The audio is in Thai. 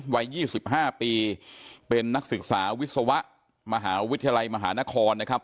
วัย๒๕ปีเป็นนักศึกษาวิศวะมหาวิทยาลัยมหานครนะครับ